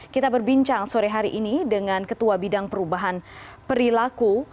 kita berbincang sore hari ini dengan ketua bidang perubahan perilaku